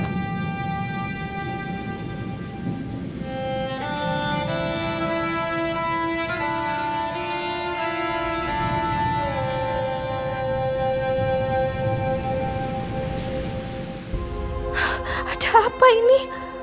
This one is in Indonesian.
ada apa ini